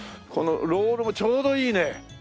このロールもちょうどいいね。